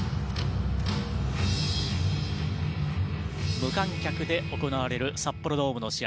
無観客で行われる札幌ドームの試合。